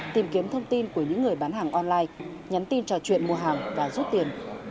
tìm kiếm thông tin của những người bán hàng online nhắn tin trò chuyện mua hàng và rút tiền